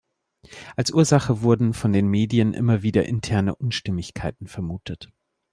Als Ursache wurden von den Medien immer wieder interne Unstimmigkeiten vermutet.